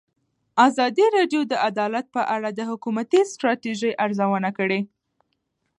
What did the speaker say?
ازادي راډیو د عدالت په اړه د حکومتي ستراتیژۍ ارزونه کړې.